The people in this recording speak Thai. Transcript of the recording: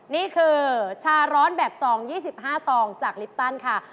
นี่คือชาร้อนแบบซอง๒๕ซองจากลิปตันค่ะ